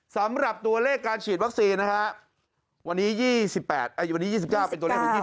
สำหรับตัวเลขการฉีดวัคซีนวันนี้๒๙เป็นตัวเลขของ๒๗